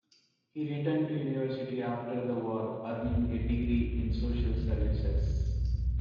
He returned to university after the war, earning a degree in social services.